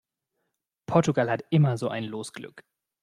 Portugal hat immer so ein Losglück!